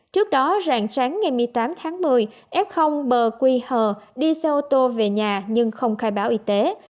trước đó rạng sáng ngày một mươi tám tháng một mươi f bờ qh đi xe ô tô về nhà nhưng không khai báo y tế